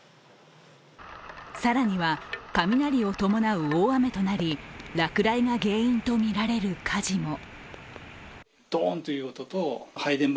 更には雷を伴う大雨となり落雷が原因とみられる火事も。